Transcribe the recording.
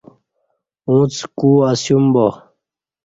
اݩڅ کو اسیوم با